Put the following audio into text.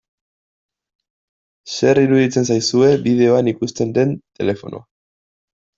Zer iruditzen zaizue bideoan ikusten den telefonoa?